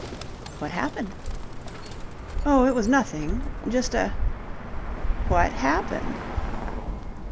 "What happened?" "Oh, it was nothing. Just a..." "What happened?"